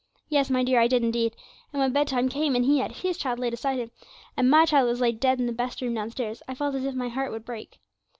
'Yes, my dear, I did indeed; and when bedtime came, and he had his child laid aside him, and my child was laid dead in the best room downstairs, I felt as if my heart would break.